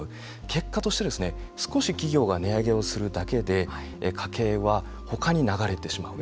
結果として少し企業が値上げをするだけで家計は他に流れてしまう。